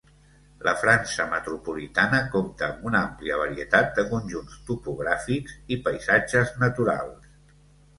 La França metropolitana compta amb una àmplia varietat de conjunts topogràfics i paisatges naturals.